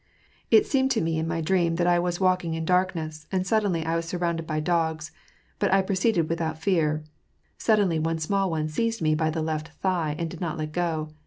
It seemed to me in my dream that I was walking in darkness, and sud denly I was surroimded by dogs; but I proceeded without fear ; suddenly, one small one seized me by the left thigh, and did not let go.